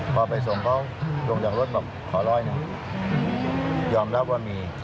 พอไปส่งเขาลงจากรถบอกขอร้อยหนึ่งยอมรับว่ามี